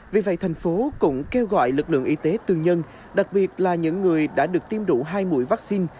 vì vậy thành phố cũng kêu gọi lực lượng y tế tư nhân đặc biệt là những người đã được tiêm đủ hai mũi vaccine